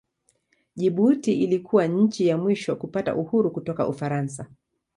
Jibuti ilikuwa nchi ya mwisho kupata uhuru kutoka Ufaransa.